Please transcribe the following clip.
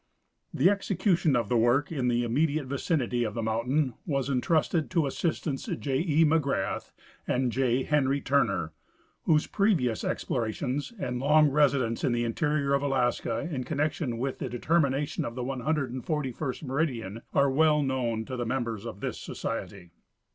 The execution of the Avork in the immediate vicinity of the mountain was intrusted to assistants J. E. McGrath and J. Henry Turner, whose previous explorations and long residence in the interior of Alaska in connection with the determination of the 141st meridian are Avell known to the members of this Society.